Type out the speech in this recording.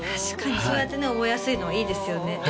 確かにそうやってね覚えやすいのはいいですよね